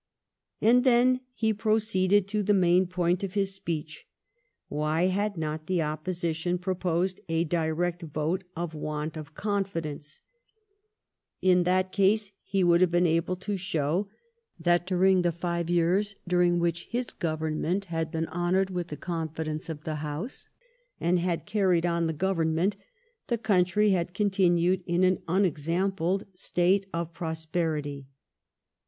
And then he proceeded to the main point of his speech. Why had not the Opposition proposed a direct vote of want of confidence ? In that case he would have been able to show that during the five years during which his Government had been honoured with the confidence of the House and had carried on the Government, the country had continued in an unexampled state of prosperity.